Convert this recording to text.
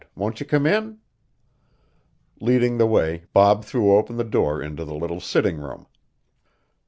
Won't you come in?" Leading the way, Bob threw open the door into the little sitting room.